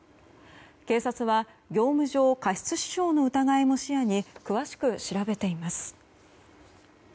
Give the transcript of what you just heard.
警察は業務上過失致傷の疑いも視野に詳しく調べています。